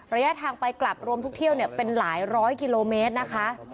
ระยะทางไปกลับรวมทุกเที่ยวเป็นหลายร้อยกิโลเมตรนะคะ